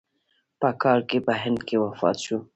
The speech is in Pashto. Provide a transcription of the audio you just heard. په کال کې په هند کې وفات شو.